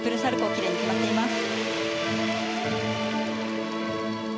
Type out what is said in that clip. きれいに決まっています。